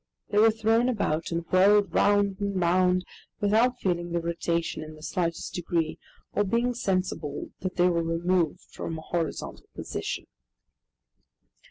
They were thrown about and whirled round and round without feeling the rotation in the slightest degree, or being sensible that they were removed from a horizontal position.